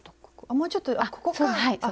もうちょっとあっここかぁ。